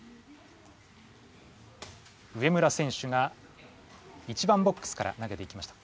植村選手が１番ボックスから投げていきました。